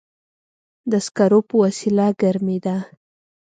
د سکرو په وسیله ګرمېده.